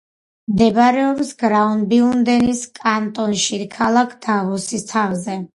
მდებარეობს გრაუბიუნდენის კანტონში, ქალაქ დავოსის თავზე.